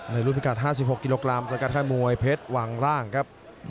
รุ่นพิกัด๕๖กิโลกรัมสังกัดค่ายมวยเพชรวางร่างครับ